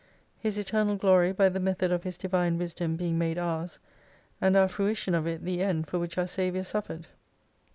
His Eternal Glory by the method of His Divine "Wisdom being made ours ; and our fruition of it the end for which our Saviour suffered.